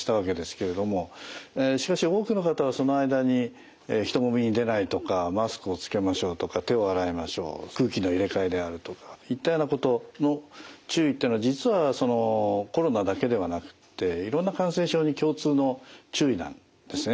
しかし多くの方はその間に人混みに出ないとかマスクをつけましょうとか手を洗いましょう空気の入れ替えであるとかいったようなことの注意っていうのは実はそのコロナだけではなくっていろんな感染症に共通の注意なんですね。